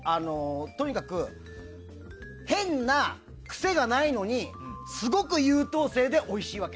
とにかく変な癖がないのにすごく優等生でおいしい訳。